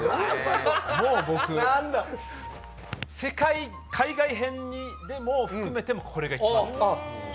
もう僕、世界海外編を含めてもこれが一番好きです。